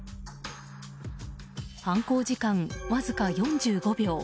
犯行時間、わずか４５秒。